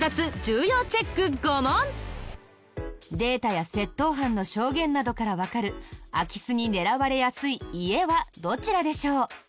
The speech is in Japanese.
データや窃盗犯の証言などからわかる空き巣に狙われやすい家はどちらでしょう？